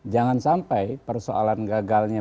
jangan sampai persoalan gagalnya